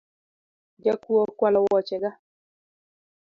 Jakuo okwalo woche ga.